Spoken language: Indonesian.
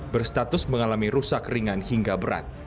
berstatus mengalami rusak ringan hingga berat